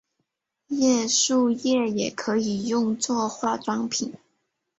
桦树液也可用做化妆品。